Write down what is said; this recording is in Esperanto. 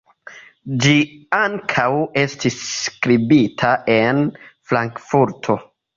Ĝi ankaŭ estis skribita en Frankfurto.